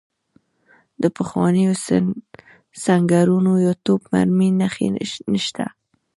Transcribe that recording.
د پخوانیو سنګرونو یا توپ مرمۍ نښې نشته.